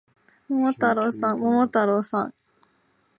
桃太郎さん、桃太郎さん